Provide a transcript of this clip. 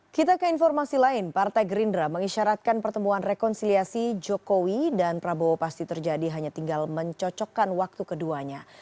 kita ke informasi lain partai gerindra mengisyaratkan pertemuan rekonsiliasi jokowi dan prabowo pasti terjadi hanya tinggal mencocokkan waktu keduanya